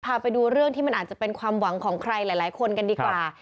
พาไปดูเรื่องที่มันอาจจะเป็นความหวังของใครหลายคนกันดีกว่า